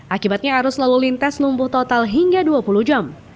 akibatnya arus lalu lintas lumpuh total hingga dua puluh jam